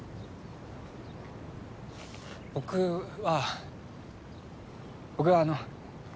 僕は僕はあの。